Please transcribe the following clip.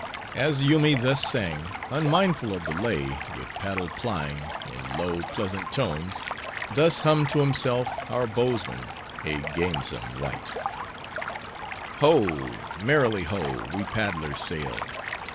As Yoomy thus sang; unmindful of the lay, with paddle plying, in low, pleasant tones, thus hummed to himself our bowsman, a gamesome wight:— Ho! merrily ho! we paddlers sail!